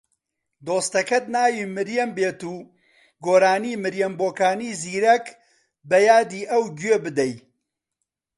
دۆستەکەت ناوی مریەم بێت و گۆرانی مریەم بۆکانی زیرەک بە یادی ئەو گوێ بدەی